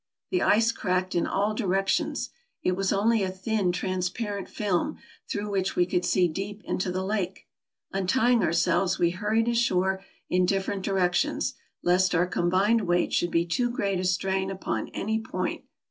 The ice cracked in all directions. It was only a thin, trans parent film, through which we could see deep into the lake. Untying ourselves, we hurried ashore in different directions, lest our combined weight should be too great a strain upon any point.